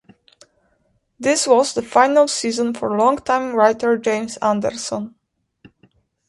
This was the final season for longtime writer James Anderson.